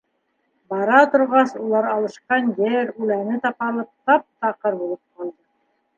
Бара торғас, улар алышҡан ер, үләне тапалып, тап-таҡыр булып ҡалды.